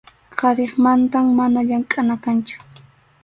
qariqmantam mana llamkʼana kanchu.